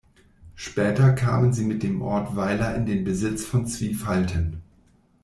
Später kam sie mit dem Ort Weiler in den Besitz von Zwiefalten.